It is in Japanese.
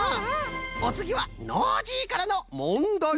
おつぎはノージーからのもんだいです。